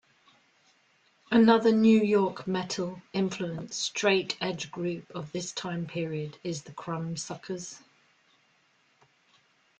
Another New York metal-influenced straight edge group of this time period is the Crumbsuckers.